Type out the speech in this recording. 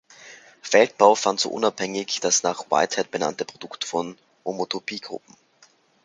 Feldbau fand so unabhängig das nach Whitehead benannte Produkt von Homotopiegruppen.